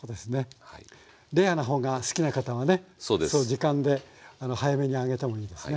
時間で早めにあげてもいいですね。